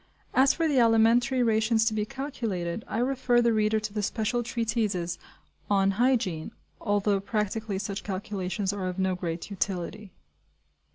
As for the alimentary rations to be calculated, I refer the reader to the special treatises on hygiene: although practically such calculations are of no great utility.